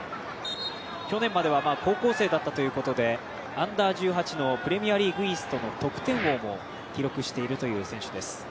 去年までは高校生だったということでＵ−１８のプレミアリーグイーストの得点王も記録している選手です。